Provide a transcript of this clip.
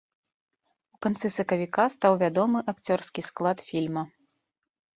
У канцы сакавіка стаў вядомы акцёрскі склад фільма.